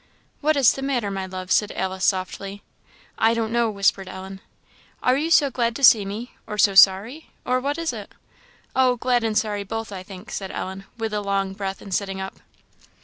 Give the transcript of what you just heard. "What is the matter, my love?" said Alice, softly. "I don't know," whispered Ellen. "Are you so glad to see me? or so sorry? or what is it?" "Oh, glad and sorry both, I think!" said Ellen, with a long breath, and sitting up.